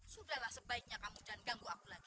sudahlah sebaiknya kamu jangan ganggu aku lagi